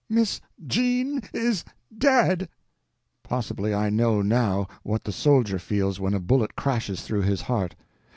"MISS JEAN IS DEAD!" Possibly I know now what the soldier feels when a bullet crashes through his heart.